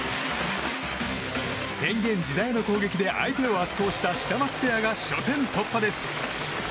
変幻自在の攻撃で相手を圧倒したシダマツペアが初戦突破です。